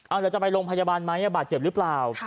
อาจจะไปลงพยาบาลไหมบาดเจ็บหรือเปล่า